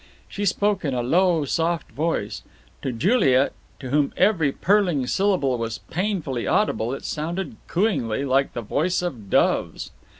She spoke in a low, soft voice. To Juliet, to whom every purling syllable was painfully audible, it sounded cooingly, like the voice of doves.